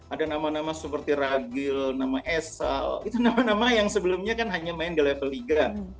ada nama nama seperti ragil nama esal itu nama nama yang sebelumnya kan hanya main di level liga